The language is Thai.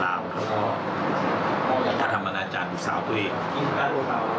แล้วก็กระทำอนาจารย์สาวตัวเอง